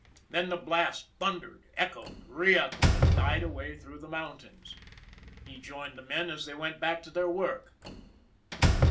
Then the blast thundered, echoed, reechoed, and died away through the mountains. He joined the men as they went back to their work.